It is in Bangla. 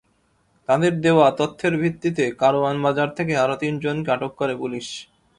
তাঁদের দেওয়া তথ্যের ভিত্তিতে কারওয়ান বাজার থেকে আরও তিনজনকে আটক করে পুলিশ।